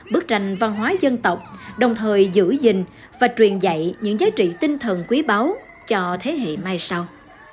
bức tranh văn hóa dân tộc đồng thời giữ gìn và truyền dạy những giá trị tinh thần quý báu cho thế hệ mai sau